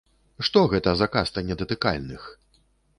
Што гэта за каста недатыкальных?